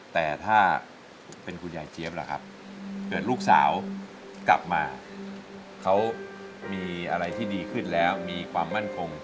แต่ถ้าเป็นคุณยายเจี๊ยบล่ะครับเกิดลูกสาวกลับมาเขามีอะไรที่ดีขึ้นแล้วมีความมั่นคง